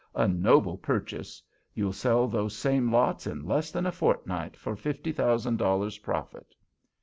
A noble purchase. You'll sell those same lots in less than a fortnight for fifty thousand dollars profit!"